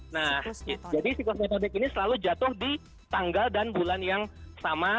nah jadi siklus metode ini selalu jatuh di tanggal dan bulan yang sama